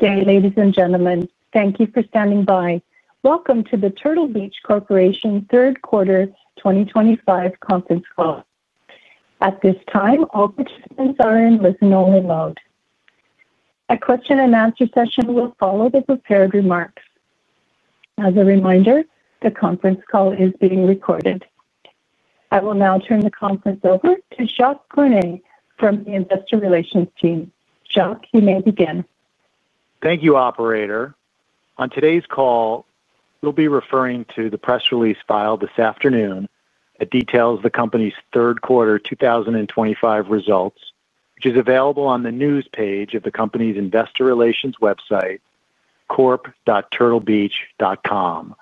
Okay, ladies and gentlemen, thank you for standing by. Welcome to the Turtle Beach Corporation third quarter 2025 conference Call. At this time, all participants are in listen-only mode. A question-and-answer session will follow the prepared remarks. As a reminder, the conference call is being recorded. I will now turn the conference over to Jacques Gourmet from the Investor Relations Team. Jacques, you may begin. Thank you, Operator. On today's call, we'll be referring to the press release filed this afternoon that details the company's third quarter 2025 results, which is available on the news page of the company's Investor Relations website, corp.turtlebeach.com,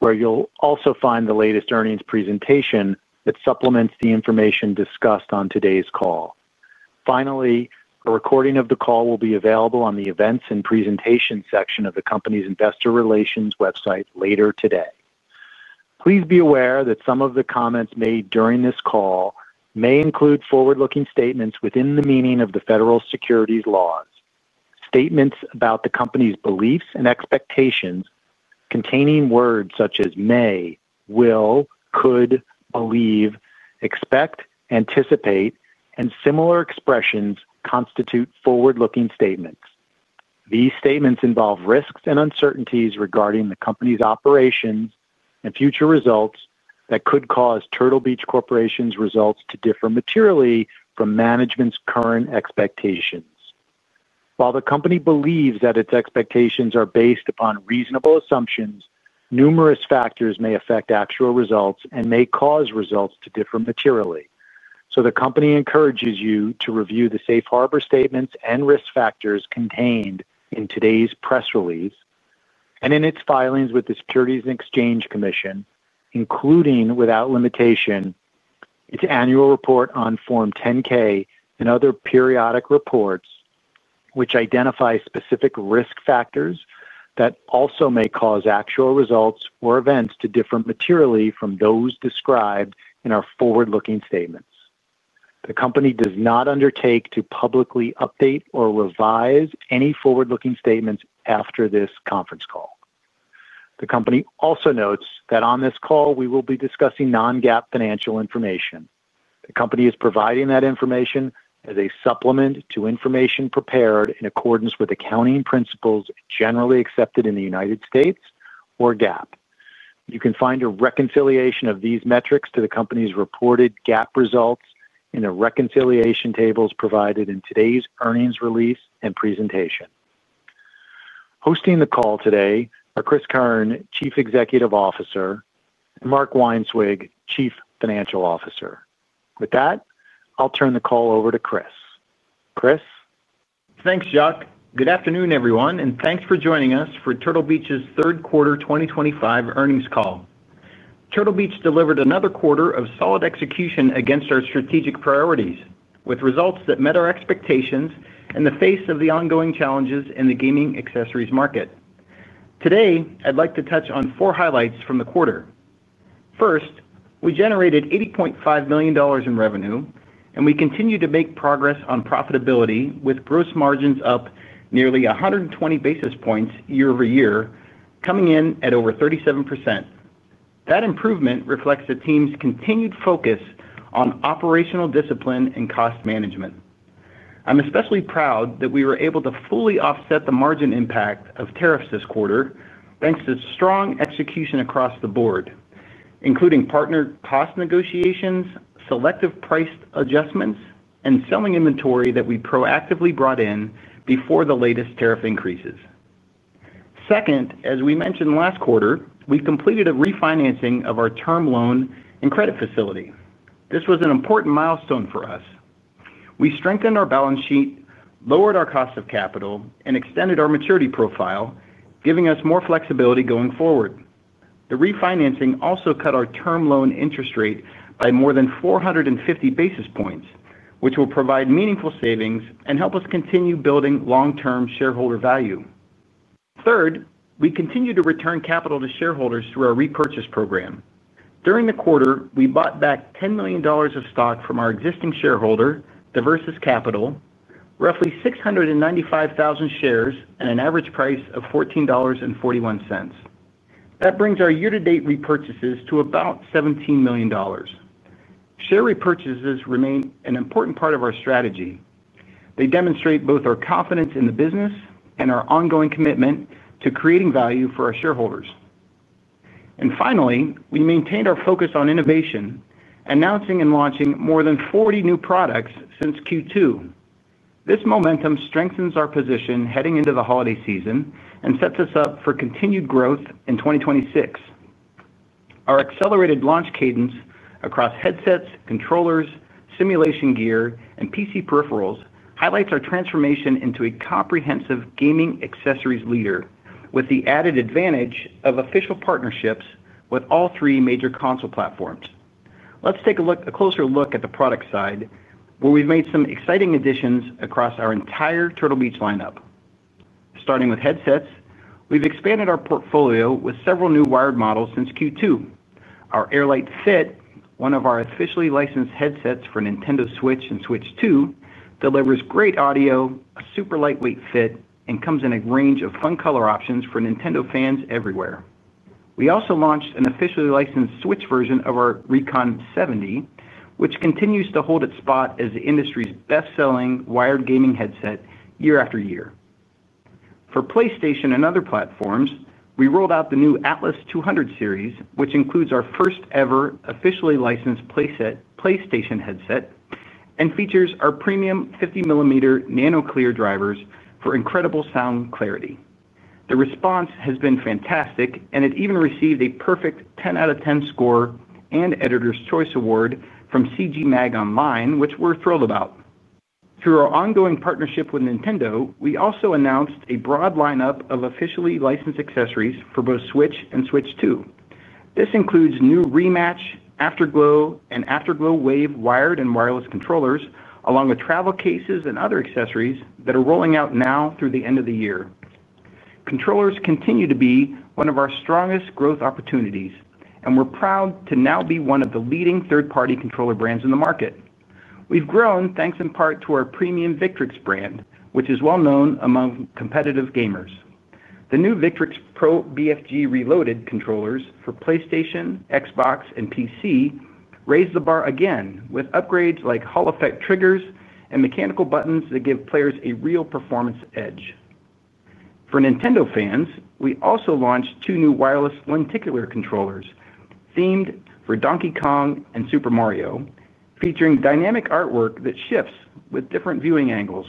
where you'll also find the latest earnings presentation that supplements the information discussed on today's call. Finally, a recording of the call will be available on the events and presentation section of the company's Investor Relations website later today. Please be aware that some of the comments made during this call may include forward-looking statements within the meaning of the federal securities laws. Statements about the company's beliefs and expectations containing words such as may, will, could, believe, expect, anticipate, and similar expressions constitute forward-looking statements. These statements involve risks and uncertainties regarding the company's operations and future results that could cause Turtle Beach Corporation's results to differ materially from management's current expectations. While the company believes that its expectations are based upon reasonable assumptions, numerous factors may affect actual results and may cause results to differ materially. The company encourages you to review the safe harbor statements and risk factors contained in today's press release and in its filings with the Securities and Exchange Commission, including without limitation, its annual report on Form 10-K and other periodic reports which identify specific risk factors that also may cause actual results or events to differ materially from those described in our forward-looking statements. The company does not undertake to publicly update or revise any forward-looking statements after this conference call. The company also notes that on this call, we will be discussing non-GAAP financial information. The company is providing that information as a supplement to information prepared in accordance with accounting principles generally accepted in the United States or GAAP. You can find a reconciliation of these metrics to the company's reported GAAP results in the reconciliation tables provided in today's earnings release and presentation. Hosting the call today are Chris Keirn, Chief Executive Officer, and Mark Weinswig, Chief Financial Officer. With that, I'll turn the call over to Chris. Chris. Thanks, Jacques. Good afternoon, everyone, and thanks for joining us for Turtle Beach's third quarter 2025 earnings call. Turtle Beach delivered another quarter of solid execution against our strategic priorities, with results that met our expectations in the face of the ongoing challenges in the gaming accessories market. Today, I'd like to touch on four highlights from the quarter. First, we generated $80.5 million in revenue, and we continue to make progress on profitability, with gross margins up nearly 120 basis points year-over-year, coming in at over 37%. That improvement reflects the team's continued focus on operational discipline and cost management. I'm especially proud that we were able to fully offset the margin impact of tariffs this quarter, thanks to strong execution across the board, including partner cost negotiations, selective price adjustments, and selling inventory that we proactively brought in before the latest tariff increases. Second, as we mentioned last quarter, we completed a refinancing of our term loan and credit facility. This was an important milestone for us. We strengthened our balance sheet, lowered our cost of capital, and extended our maturity profile, giving us more flexibility going forward. The refinancing also cut our term loan interest rate by more than 450 basis points, which will provide meaningful savings and help us continue building long-term shareholder value. Third, we continue to return capital to shareholders through our repurchase program. During the quarter, we bought back $10 million of stock from our existing shareholder, Diversus Capital, roughly 695,000 shares at an average price of $14.41. That brings our year-to-date repurchases to about $17 million. Share repurchases remain an important part of our strategy. They demonstrate both our confidence in the business and our ongoing commitment to creating value for our shareholders. We maintained our focus on innovation, announcing and launching more than 40 new products since Q2. This momentum strengthens our position heading into the holiday season and sets us up for continued growth in 2026. Our accelerated launch cadence across headsets, controllers, simulation gear, and PC peripherals highlights our transformation into a comprehensive gaming accessories leader with the added advantage of official partnerships with all three major console platforms. Let's take a closer look at the product side, where we've made some exciting additions across our entire Turtle Beach lineup. Starting with headsets, we've expanded our portfolio with several new wired models since Q2. Our AirLite Fit, one of our officially licensed headsets for Nintendo Switch and Switch 2, delivers great audio, a super lightweight fit, and comes in a range of fun color options for Nintendo fans everywhere. We also launched an officially licensed Switch version of our Recon 70, which continues to hold its spot as the industry's best-selling wired gaming headset year after year. For PlayStation and other platforms, we rolled out the new Atlas 200 series, which includes our first-ever officially licensed PlayStation headset and features our premium 50-mm nano-clear drivers for incredible sound clarity. The response has been fantastic, and it even received a perfect 10 out of 10 score and Editor's Choice Award from CGMag Online, which we are thrilled about. Through our ongoing partnership with Nintendo, we also announced a broad lineup of officially licensed accessories for both Switch and Switch 2. This includes new ReMatch, Afterglow, and Afterglow Wave wired and wireless controllers, along with travel cases and other accessories that are rolling out now through the end of the year. Controllers continue to be one of our strongest growth opportunities, and we're proud to now be one of the leading third-party controller brands in the market. We've grown thanks in part to our premium Victrix brand, which is well-known among competitive gamers. The new Victrix Pro BFG Reloaded controllers for PlayStation, Xbox, and PC raise the bar again with upgrades like hall-effect triggers and mechanical buttons that give players a real performance edge. For Nintendo fans, we also launched two new wireless lenticular controllers themed for Donkey Kong and Super Mario, featuring dynamic artwork that shifts with different viewing angles.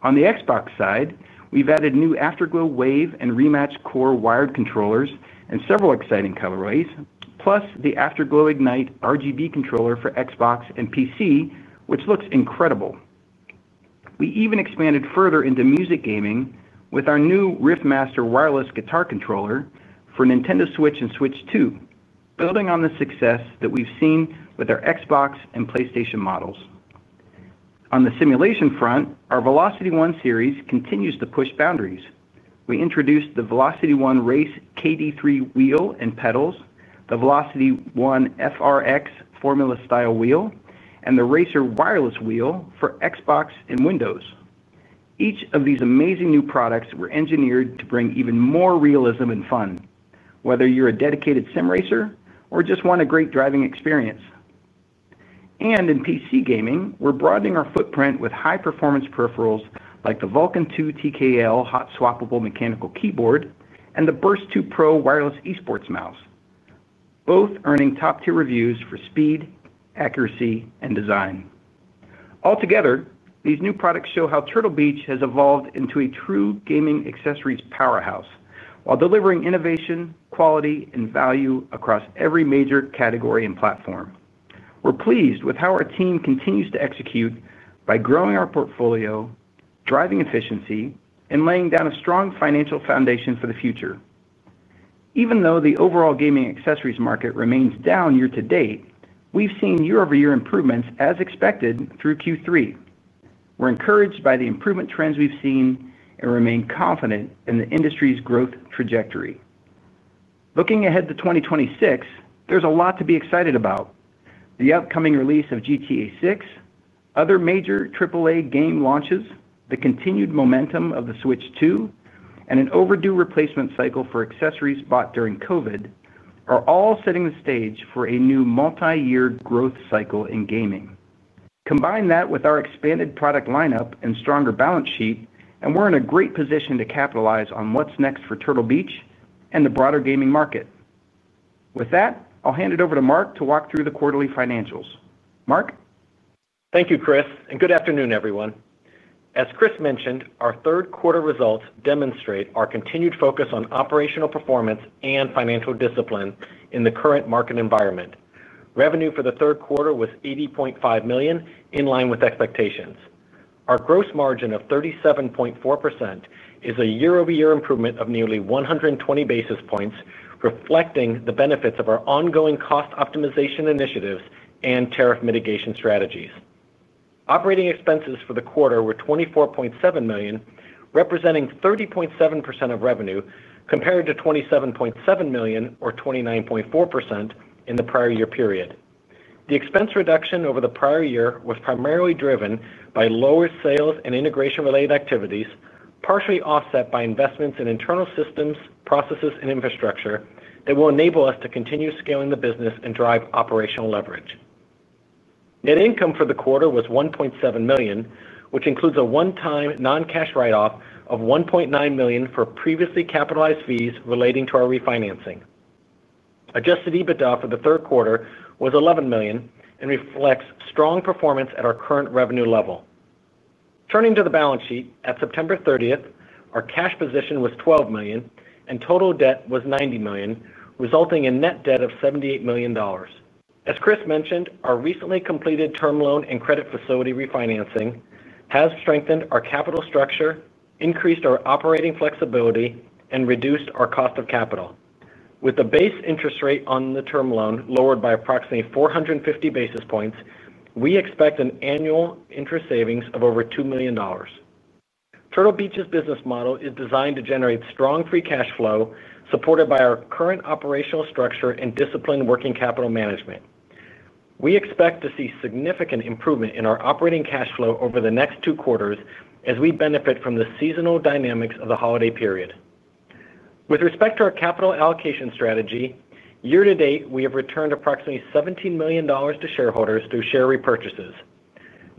On the Xbox side, we've added new Afterglow Wave and ReMatch Core Wired controllers and several exciting colorways, plus the Afterglow Ignite RGB controller for Xbox and PC, which looks incredible. We even expanded further into music gaming with our new Riff Master Wireless Guitar controller for Nintendo Switch and Switch 2, building on the success that we've seen with our Xbox and PlayStation models. On the simulation front, our Velocity One series continues to push boundaries. We introduced the Velocity One Race KD3 wheel and pedals, the Velocity One FRX formula-style wheel, and the Racer Wireless Wheel for Xbox and Windows. Each of these amazing new products was engineered to bring even more realism and fun, whether you're a dedicated sim racer or just want a great driving experience. In PC gaming, we're broadening our footprint with high-performance peripherals like the Vulcan 2 TKL hot-swappable mechanical keyboard and the Burst 2 Pro wireless esports mouse, both earning top-tier reviews for speed, accuracy, and design. Altogether, these new products show how Turtle Beach has evolved into a true gaming accessories powerhouse while delivering innovation, quality, and value across every major category and platform. We're pleased with how our team continues to execute by growing our portfolio, driving efficiency, and laying down a strong financial foundation for the future. Even though the overall gaming accessories market remains down year-to-date, we've seen year-over-year improvements, as expected, through Q3. We're encouraged by the improvement trends we've seen and remain confident in the industry's growth trajectory. Looking ahead to 2026, there's a lot to be excited about. The upcoming release of GTA 6, other major AAA game launches, the continued momentum of the Switch 2, and an overdue replacement cycle for accessories bought during COVID are all setting the stage for a new multi-year growth cycle in gaming. Combine that with our expanded product lineup and stronger balance sheet, and we're in a great position to capitalize on what's next for Turtle Beach and the broader gaming market. With that, I'll hand it over to Mark to walk through the quarterly financials. Mark. Thank you, Chris, and good afternoon, everyone. As Chris mentioned, our third-quarter results demonstrate our continued focus on operational performance and financial discipline in the current market environment. Revenue for the third quarter was $80.5 million, in line with expectations. Our gross margin of 37.4% is a year-over-year improvement of nearly 120 basis points, reflecting the benefits of our ongoing cost optimization initiatives and tariff mitigation strategies. Operating expenses for the quarter were $24.7 million, representing 30.7% of revenue compared to $27.7 million, or 29.4%, in the prior year period. The expense reduction over the prior year was primarily driven by lower sales and integration-related activities, partially offset by investments in internal systems, processes, and infrastructure that will enable us to continue scaling the business and drive operational leverage. Net income for the quarter was $1.7 million, which includes a one-time non-cash write-off of $1.9 million for previously capitalized fees relating to our refinancing. Adjusted EBITDA for the third quarter was $11 million and reflects strong performance at our current revenue level. Turning to the balance sheet, at September 30th, our cash position was $12 million and total debt was $90 million, resulting in net debt of $78 million. As Chris mentioned, our recently completed term loan and credit facility refinancing has strengthened our capital structure, increased our operating flexibility, and reduced our cost of capital. With the base interest rate on the term loan lowered by approximately 450 basis points, we expect an annual interest savings of over $2 million. Turtle Beach's business model is designed to generate strong free cash flow supported by our current operational structure and disciplined working capital management. We expect to see significant improvement in our operating cash flow over the next two quarters as we benefit from the seasonal dynamics of the holiday period. With respect to our capital allocation strategy, year-to-date, we have returned approximately $17 million to shareholders through share repurchases.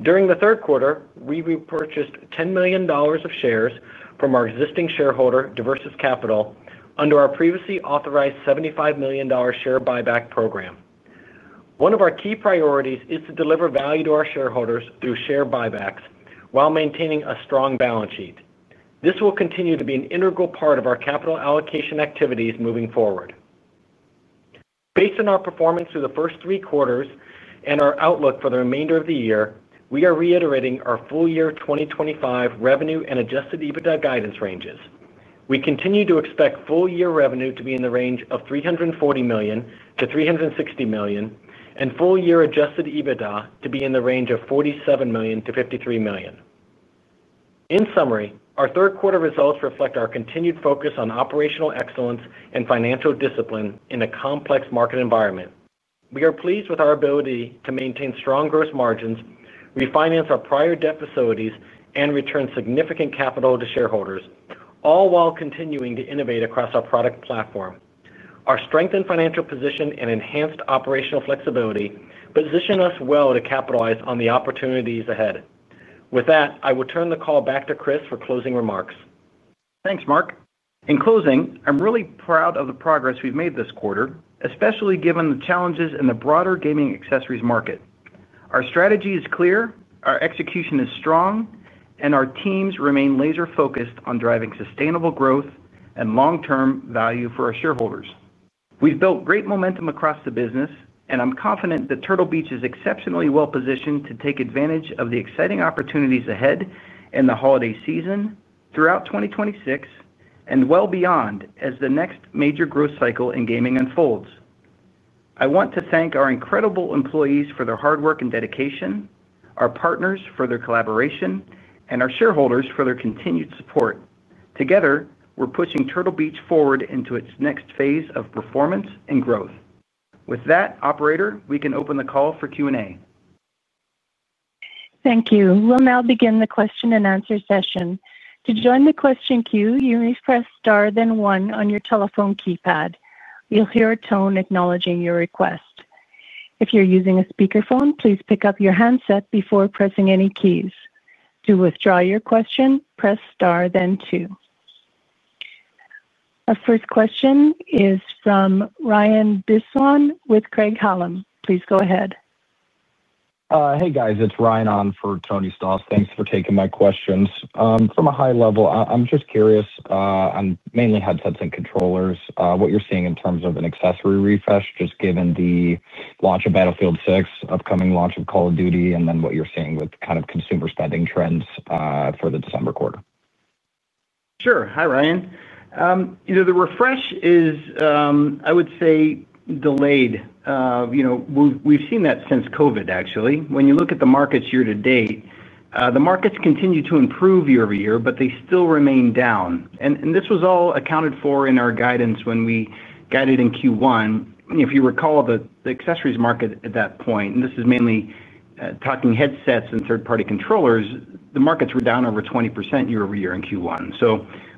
During the third quarter, we repurchased $10 million of shares from our existing shareholder, Diversus Capital, under our previously authorized $75 million share buyback program. One of our key priorities is to deliver value to our shareholders through share buybacks while maintaining a strong balance sheet. This will continue to be an integral part of our capital allocation activities moving forward. Based on our performance through the first three quarters and our outlook for the remainder of the year, we are reiterating our full year 2025 revenue and adjusted EBITDA guidance ranges. We continue to expect full year revenue to be in the range of $340 million-$360 million and full year adjusted EBITDA to be in the range of $47 million-$53 million. In summary, our third-quarter results reflect our continued focus on operational excellence and financial discipline in a complex market environment. We are pleased with our ability to maintain strong gross margins, refinance our prior debt facilities, and return significant capital to shareholders, all while continuing to innovate across our product platform. Our strengthened financial position and enhanced operational flexibility position us well to capitalize on the opportunities ahead. With that, I will turn the call back to Chris for closing remarks. Thanks, Mark. In closing, I'm really proud of the progress we've made this quarter, especially given the challenges in the broader gaming accessories market. Our strategy is clear, our execution is strong, and our teams remain laser-focused on driving sustainable growth and long-term value for our shareholders. We've built great momentum across the business, and I'm confident that Turtle Beach is exceptionally well-positioned to take advantage of the exciting opportunities ahead in the holiday season, throughout 2026, and well beyond as the next major growth cycle in gaming unfolds. I want to thank our incredible employees for their hard work and dedication, our partners for their collaboration, and our shareholders for their continued support. Together, we're pushing Turtle Beach forward into its next phase of performance and growth. With that, operator, we can open the call for Q&A. Thank you. We'll now begin the question and answer session. To join the question queue, you may press star then one on your telephone keypad. You'll hear a tone acknowledging your request. If you're using a speakerphone, please pick up your handset before pressing any keys. To withdraw your question, press star then two. Our first question is from Rian Bisson with Craig-Hallum. Please go ahead. Hey, guys. It's Rian on for Tony Stalz. Thanks for taking my questions. From a high level, I'm just curious on mainly headsets and controllers what you're seeing in terms of an accessory refresh just given the launch of Battlefield 6, upcoming launch of Call of Duty, and then what you're seeing with kind of consumer spending trends for the December quarter. Sure. Hi, Ryan. The refresh is, I would say, delayed. We've seen that since COVID, actually. When you look at the markets year-to-date, the markets continue to improve year-over-year, but they still remain down. This was all accounted for in our guidance when we guided in Q1. If you recall, the accessories market at that point, and this is mainly talking headsets and third-party controllers, the markets were down over 20% year-over-year in Q1.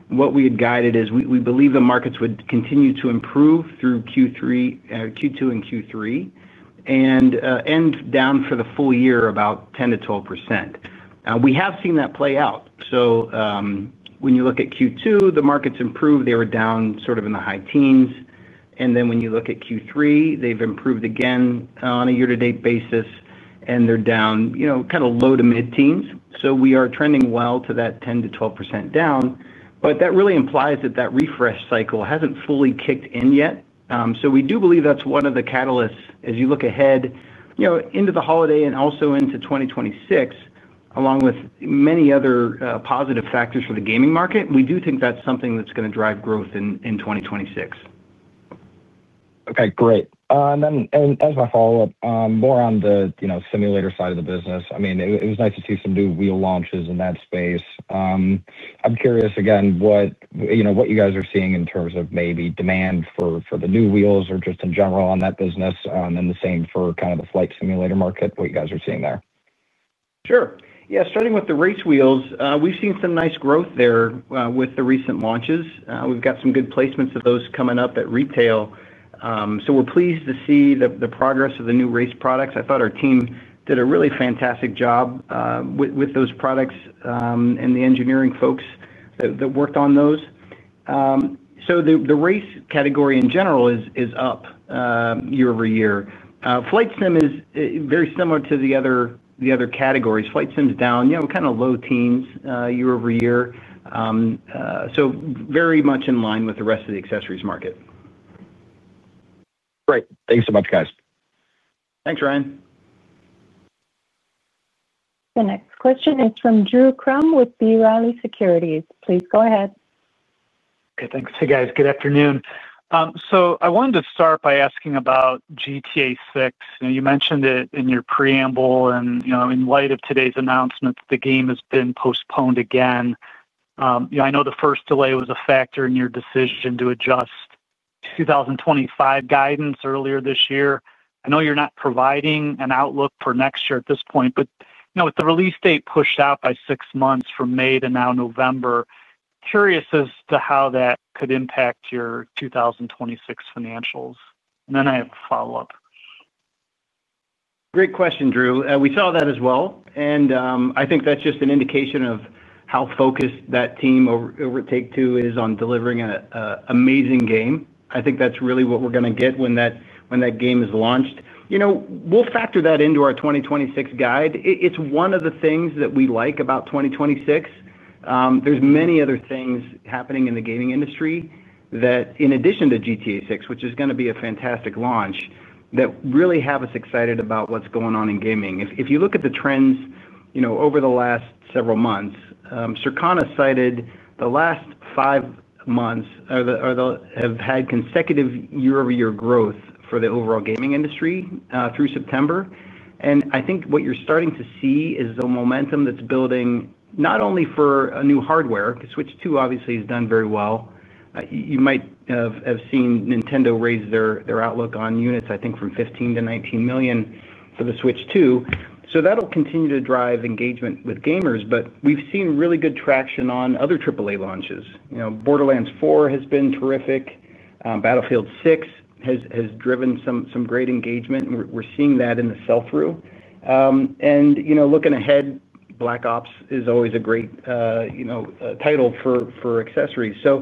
What we had guided is we believe the markets would continue to improve through Q2 and Q3, and down for the full year about 10%-12%. We have seen that play out. When you look at Q2, the markets improved. They were down sort of in the high teens. When you look at Q3, they've improved again on a year-to-date basis, and they're down kind of low to mid-teens. We are trending well to that 10%-12% down. That really implies that that refresh cycle has not fully kicked in yet. We do believe that is one of the catalysts as you look ahead into the holiday and also into 2026. Along with many other positive factors for the gaming market, we do think that is something that is going to drive growth in 2026. Okay. Great. As my follow-up, more on the simulator side of the business, I mean, it was nice to see some new wheel launches in that space. I'm curious, again, what you guys are seeing in terms of maybe demand for the new wheels or just in general on that business, and then the same for kind of the flight simulator market, what you guys are seeing there. Sure. Yeah. Starting with the race wheels, we've seen some nice growth there with the recent launches. We've got some good placements of those coming up at retail. We're pleased to see the progress of the new race products. I thought our team did a really fantastic job with those products and the engineering folks that worked on those. The race category in general is up year-over-year. Flight sim is very similar to the other categories. Flight sim's down, kind of low teens year-over-year. Very much in line with the rest of the accessories market. Great. Thanks so much, guys. Thanks, Ryan. The next question is from Drew Crum with B. Riley Securities. Please go ahead. Okay. Thanks. Hey, guys. Good afternoon. I wanted to start by asking about GTA 6. You mentioned it in your preamble, and in light of today's announcements, the game has been postponed again. I know the first delay was a factor in your decision to adjust 2025 guidance earlier this year. I know you're not providing an outlook for next year at this point, but with the release date pushed out by six months from May to now November, curious as to how that could impact your 2026 financials. I have a follow-up. Great question, Drew. We saw that as well. I think that's just an indication of how focused that team over at Take-Two is on delivering an amazing game. I think that's really what we're going to get when that game is launched. We'll factor that into our 2026 guide. It's one of the things that we like about 2026. There are many other things happening in the gaming industry that, in addition to GTA 6, which is going to be a fantastic launch, really have us excited about what's going on in gaming. If you look at the trends over the last several months, Circana cited the last five months have had consecutive year-over-year growth for the overall gaming industry through September. I think what you're starting to see is the momentum that's building not only for new hardware. The Switch 2, obviously, has done very well. You might have seen Nintendo raise their outlook on units, I think, from 15 million to 19 million for the Switch 2. That will continue to drive engagement with gamers, but we've seen really good traction on other AAA launches. Borderlands 4 has been terrific. Battlefield 6 has driven some great engagement. We're seeing that in the sell-through. Looking ahead, Black Ops is always a great title for accessories. There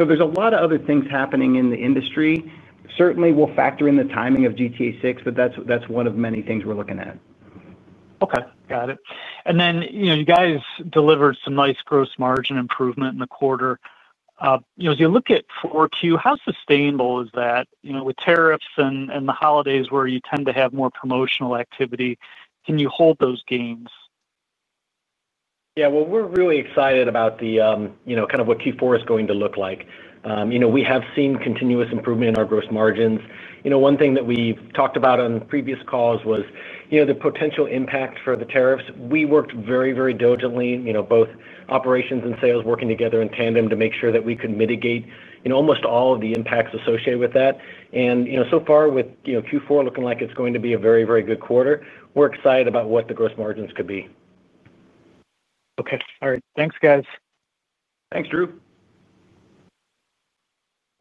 are a lot of other things happening in the industry. Certainly, we'll factor in the timing of GTA 6, but that's one of many things we're looking at. Okay. Got it. You guys delivered some nice gross margin improvement in the quarter. As you look at Q4, how sustainable is that with tariffs and the holidays where you tend to have more promotional activity? Can you hold those gains? Yeah. We are really excited about kind of what Q4 is going to look like. We have seen continuous improvement in our gross margins. One thing that we have talked about on previous calls was the potential impact for the tariffs. We worked very, very diligently, both operations and sales working together in tandem to make sure that we could mitigate almost all of the impacts associated with that. So far, with Q4 looking like it is going to be a very, very good quarter, we are excited about what the gross margins could be. Okay. All right. Thanks, guys. Thanks, Drew.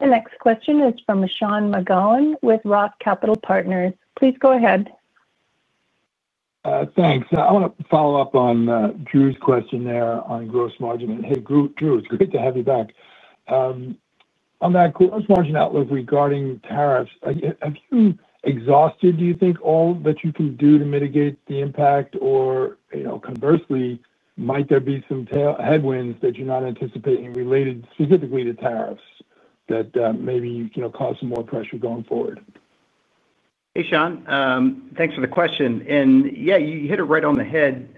The next question is from Sean McGowan with Roth Capital Partners. Please go ahead. Thanks. I want to follow up on Drew's question there on gross margin. Hey, Drew, it's great to have you back. On that gross margin outlook regarding tariffs, have you exhausted, do you think, all that you can do to mitigate the impact? Or conversely, might there be some headwinds that you're not anticipating related specifically to tariffs that maybe cause some more pressure going forward? Hey, Sean. Thanks for the question. Yeah, you hit it right on the head.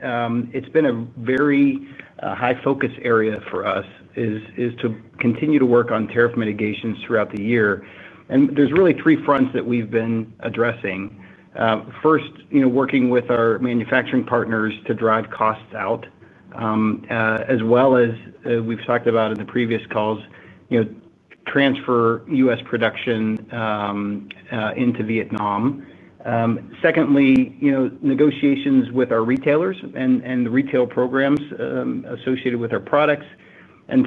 It's been a very high-focus area for us to continue to work on tariff mitigations throughout the year. There's really three fronts that we've been addressing. First, working with our manufacturing partners to drive costs out, as well as we've talked about in the previous calls, transfer U.S. production into Vietnam. Secondly, negotiations with our retailers and the retail programs associated with our products.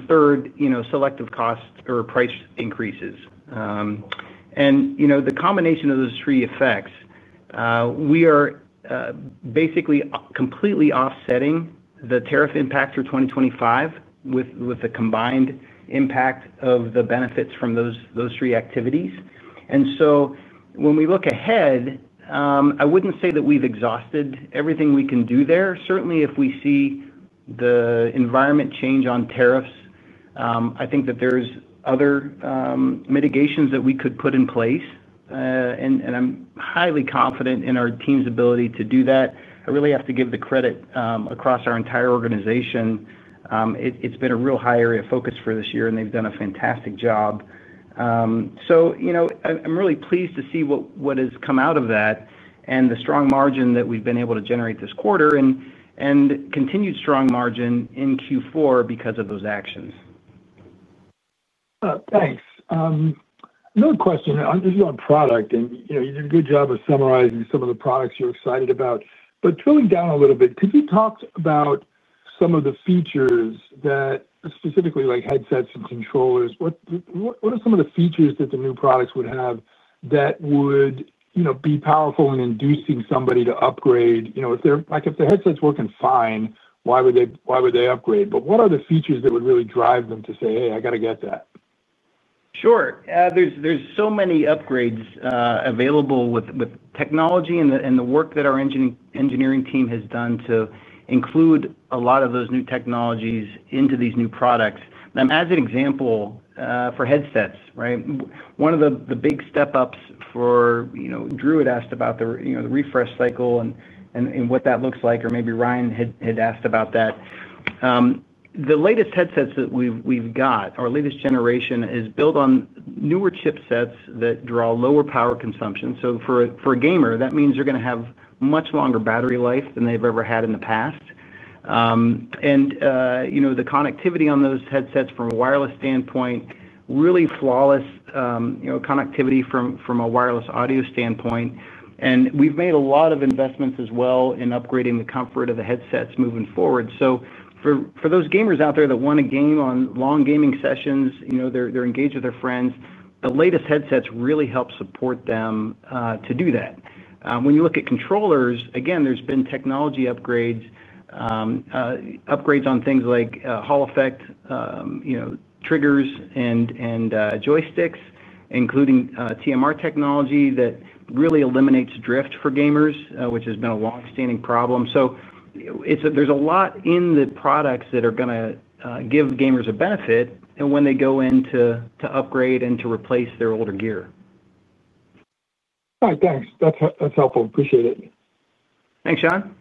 Third, selective costs or price increases. The combination of those three effects, we are basically completely offsetting the tariff impact for 2025 with the combined impact of the benefits from those three activities. When we look ahead, I wouldn't say that we've exhausted everything we can do there. Certainly, if we see the environment change on tariffs, I think that there's other. Mitigations that we could put in place. I am highly confident in our team's ability to do that. I really have to give the credit across our entire organization. It has been a real high area of focus for this year, and they have done a fantastic job. I am really pleased to see what has come out of that and the strong margin that we have been able to generate this quarter and continued strong margin in Q4 because of those actions. Thanks. Another question. This is on product, and you did a good job of summarizing some of the products you're excited about. Drilling down a little bit, could you talk about some of the features that specifically like headsets and controllers? What are some of the features that the new products would have that would be powerful in inducing somebody to upgrade? If the headset's working fine, why would they upgrade? What are the features that would really drive them to say, "Hey, I got to get that"? Sure. There are so many upgrades available with technology and the work that our engineering team has done to include a lot of those new technologies into these new products. As an example for headsets, right? One of the big step-ups for, Drew had asked about the refresh cycle and what that looks like, or maybe Ryan had asked about that. The latest headsets that we have got, our latest generation, is built on newer chipsets that draw lower power consumption. For a gamer, that means they are going to have much longer battery life than they have ever had in the past. The connectivity on those headsets from a wireless standpoint, really flawless connectivity from a wireless audio standpoint. We have made a lot of investments as well in upgrading the comfort of the headsets moving forward. For those gamers out there that want a game on long gaming sessions, they're engaged with their friends, the latest headsets really help support them to do that. When you look at controllers, again, there's been technology upgrades. Upgrades on things like hall-effect triggers, and joysticks, including TMR technology that really eliminates drift for gamers, which has been a long-standing problem. There's a lot in the products that are going to give gamers a benefit when they go in to upgrade and to replace their older gear. All right. Thanks. That's helpful. Appreciate it. Thanks, Sean.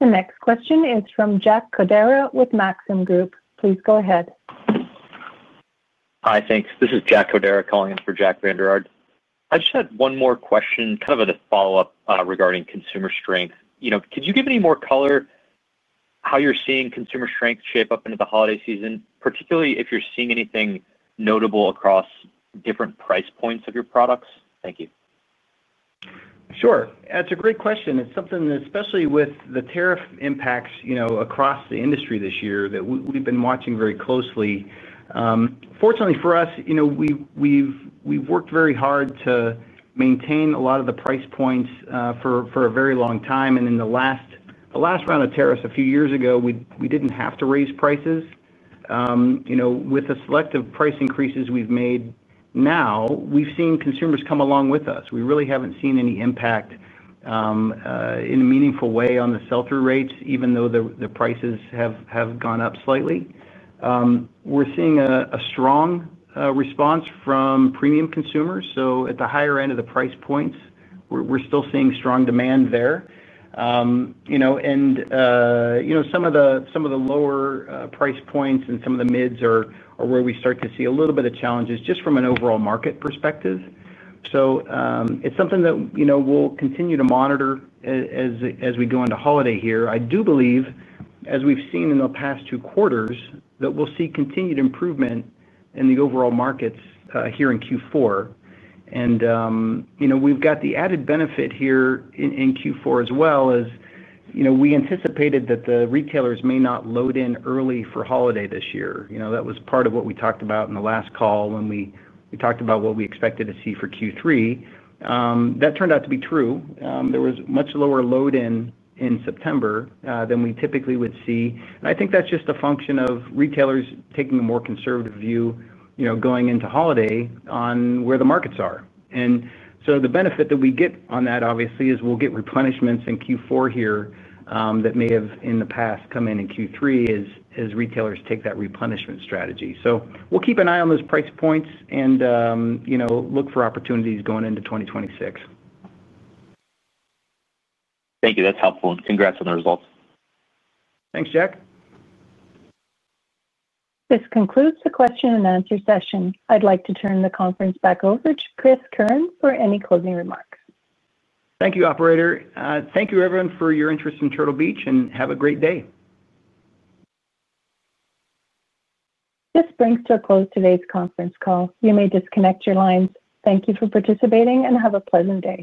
The next question is from Jack Codera with Maxim Group. Please go ahead. Hi, thanks. This is Jack Codera calling in for Jack VanderArt. I just had one more question, kind of a follow-up regarding consumer strength. Could you give any more color? How you're seeing consumer strength shape up into the holiday season, particularly if you're seeing anything notable across different price points of your products? Thank you. Sure. That's a great question. It's something that, especially with the tariff impacts across the industry this year, we've been watching very closely. Fortunately for us, we've worked very hard to maintain a lot of the price points for a very long time. In the last round of tariffs a few years ago, we didn't have to raise prices. With the selective price increases we've made now, we've seen consumers come along with us. We really haven't seen any impact in a meaningful way on the sell-through rates, even though the prices have gone up slightly. We're seeing a strong response from premium consumers. At the higher end of the price points, we're still seeing strong demand there. Some of the lower price points and some of the mids are where we start to see a little bit of challenges just from an overall market perspective. It's something that we'll continue to monitor as we go into holiday here. I do believe, as we've seen in the past two quarters, that we'll see continued improvement in the overall markets here in Q4. We've got the added benefit here in Q4 as well, as we anticipated that the retailers may not load in early for holiday this year. That was part of what we talked about in the last call when we talked about what we expected to see for Q3. That turned out to be true. There was much lower load-in in September than we typically would see. I think that's just a function of retailers taking a more conservative view going into holiday on where the markets are. The benefit that we get on that, obviously, is we'll get replenishments in Q4 here that may have, in the past, come in in Q3 as retailers take that replenishment strategy. We'll keep an eye on those price points and look for opportunities going into 2026. Thank you. That's helpful. Congrats on the results. Thanks, Jack. This concludes the question-and-answer session. I'd like to turn the conference back over to Chris Keirn for any closing remarks. Thank you, operator. Thank you, everyone, for your interest in Turtle Beach, and have a great day. This brings to a close today's conference call. You may disconnect your lines. Thank you for participating and have a pleasant day.